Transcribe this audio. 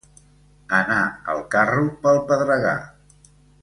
Anar el carro pel pedregar.